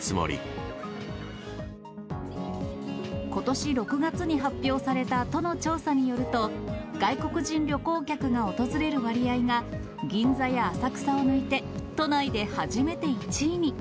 ことし６月に発表された都の調査によると、外国人旅行客が訪れる割合が銀座や浅草を抜いて、都内で初めて１位に。